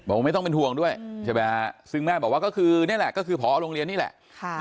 ไม่ต้องเป็นห่วงด้วยใช่ไหมฮะซึ่งแม่บอกว่าก็คือนี่แหละก็คือพอโรงเรียนนี่แหละ